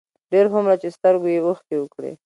ډېر هومره چې سترګو يې اوښکې وکړې،